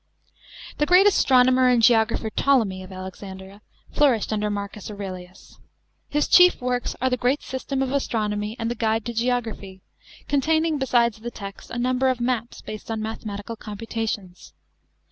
§ 10. The great astronomer and geographer PTOLEMY of Alex andria flourished under Marcus Aurelius. His chief works are the Great System of Astronomy, and the Guide to Geography, con taining, besides the text, a number of maps based on mathe matical computations.